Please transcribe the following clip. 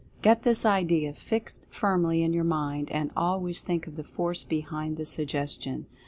Get this idea fixed firmly in your mind, and always think of the Force behind the Suggestion.